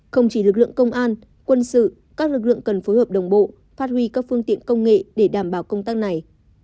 không chỉ lực lượng công an quân sự các lực lượng cần phối hợp đồng bộ phát huy các phương tiện công nghệ để đảm bảo công tác này